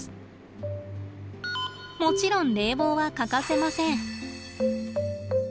もちろん冷房は欠かせません。